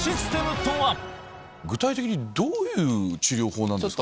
具体的にどういう治療法なんですか？